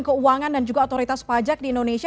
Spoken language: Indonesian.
keuangan dan juga otoritas pajak di indonesia